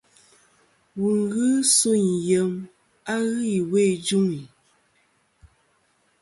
Wù ghɨ suyn yem a ghɨ iwo i juŋi.